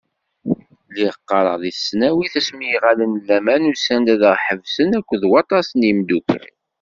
Lliɣ qqareɣ di tesnawit, asmi iɣallen n laman usan-d ad aɣ-ḥebsen akked waṭas n yimeddukkal.